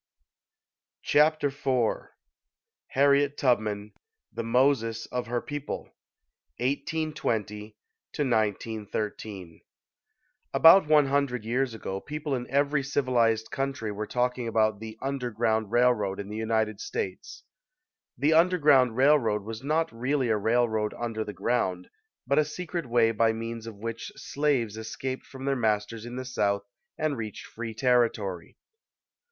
Chapter IV HARRIET TUBMAN THE MOSES OF HER PEOPLE 1820 1913 ABOUT one hundred years ago, people in every civilized country were talking about the "underground railroad" in the United States. The "underground railroad" was not really a railroad under the ground, but a secret way by means of which slaves escaped from their masters in the South and reached free territory.